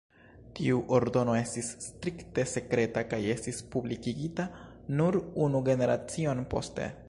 Tiu ordono estis strikte sekreta kaj estis publikigita nur unu generacion poste.